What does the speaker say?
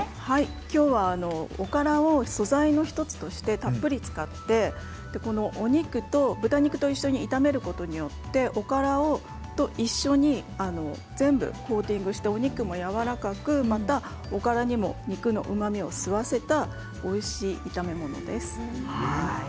きょうはおからを素材の１つとしてたっぷり使ってお肉と一緒に炒めることでおからと一緒に全部コーティングしておからにも肉のうまみを吸わせたおいしい炒め物です。